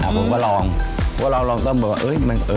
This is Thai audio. มาก็ดี